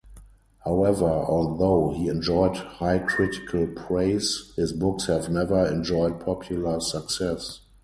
However, although he enjoyed high critical praise, his books have never enjoyed popular success.